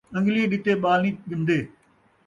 انڳلیں ݙتے ٻال نئیں ڄمدے